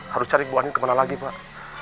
harus cari bu andin kemana lagi pak